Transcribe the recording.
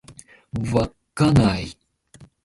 稚内